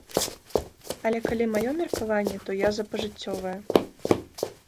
Але калі маё меркаванне, то я за пажыццёвае.